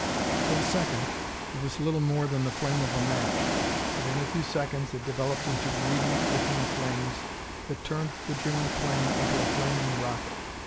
For a second it was little more than the flame of a match, but in a few seconds it developed into greedy, licking flames that turned the German plane into a flaming rocket.